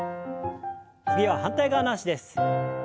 次は反対側の脚です。